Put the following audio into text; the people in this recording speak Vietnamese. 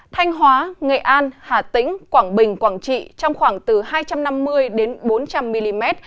thanh hóa nghệ an hà tĩnh quảng bình quảng trị trong khoảng từ hai trăm năm mươi đến bốn trăm linh mm